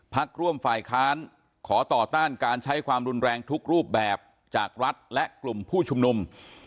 พักร่วมฝ่ายค้านขอต่อต้านการใช้ความรุนแรงทุกรูปแบบจากรัฐและกลุ่มผู้ชุมนุม